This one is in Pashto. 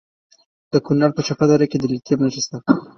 د کونړ په چپه دره کې د لیتیم نښې شته.